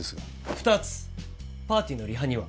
２つパーティーのリハには？